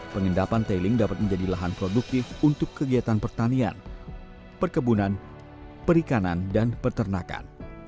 pengendapan tailing dapat menjadi lahan produktif untuk kegiatan pertanian perkebunan perikanan dan peternakan